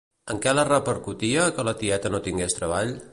En què les repercutia que la tieta no tingués treball?